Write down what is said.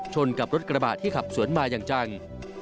กับรถกระบะที่ขับสวนมาอย่างจัง